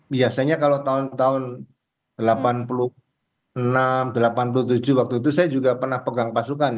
biasanya kalau tahun tahun seribu sembilan ratus delapan puluh enam delapan puluh tujuh waktu itu saya juga pernah pegang pasukan